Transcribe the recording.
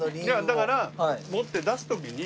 だから持って出す時に。